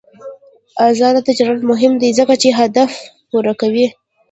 آزاد تجارت مهم دی ځکه چې اهداف پوره کوي.